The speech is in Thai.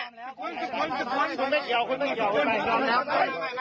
กดเคล็ด